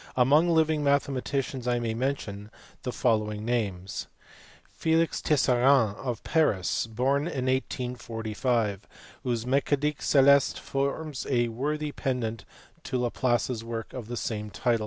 Among living mathematicians 1 may mention the following names. Felix Tisserand of Paris, born in 1845, whose Mecanique celeste forms a worthy pendant to Laplace s work of the same title.